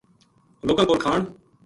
لوکاں کول کھان